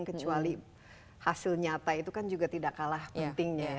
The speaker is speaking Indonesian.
kecuali hasil nyata itu kan juga tidak kalah pentingnya ya